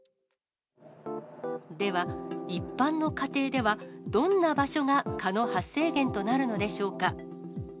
では、一般の家庭では、どんな場所が蚊の発生源となるのでしょうか。